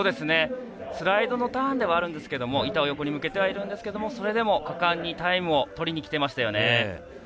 スライドのターンではあるんですけど板を横に向けてはいるんですがそれでも果敢にタイムをとりにきていましたよね。